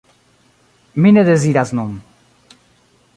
Mi ne deziras nun.